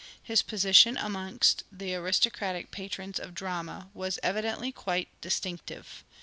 His position amongst the aristocratic patrons of drama was evidently quite distinctive.